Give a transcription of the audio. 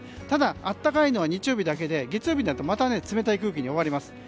ただ暖かいのは日曜日だけで月曜日になると冷たい空気に覆われます。